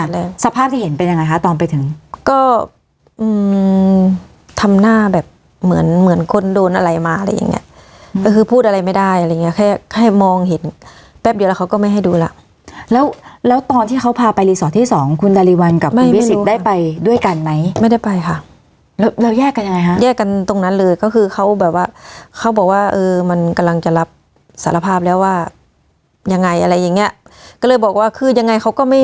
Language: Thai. แรกค่ะอ่าทีนี้ที่สองครับอ่าทีนี้ที่สองครับอ่าทีนี้ที่สองครับอ่าทีนี้ที่สองครับอ่าทีนี้ที่สองครับอ่าทีนี้ที่สองครับอ่าทีนี้ที่สองครับอ่าทีนี้ที่สองครับอ่าทีนี้ที่สองครับอ่าทีนี้ที่สองครับอ่าทีนี้ที่สองครับอ่าทีนี้ที่สองครับอ่าทีนี้ที่สองครับอ่าทีนี้ที่สองครับอ่าทีนี้ที่สองครับอ่าที